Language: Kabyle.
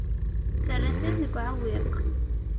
Terra-ten deg uɛewwiq.